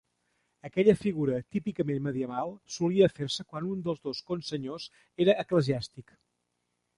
Aquesta figura, típicament medieval, solia fer-se quan un dels dos consenyors era eclesiàstic.